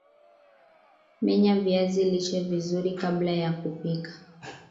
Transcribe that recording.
menya viazi lishe vizuri kabla ya kupika